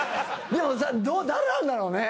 でもさ誰なんだろうね。